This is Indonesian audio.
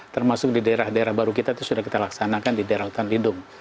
termasuk di daerah daerah baru kita itu sudah kita laksanakan di daerah hutan lindung